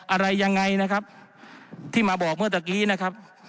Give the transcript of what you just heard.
อะไรยังไงนะครับที่มาบอกเมื่อตะกี้นะครับ